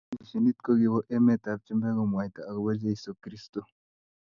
Mishenit kokiwa emet ab chumbek komwaita akobo cheso kristo